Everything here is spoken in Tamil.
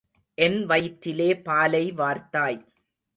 என் வயிற்றிலே பாலை வார்த்தாய்.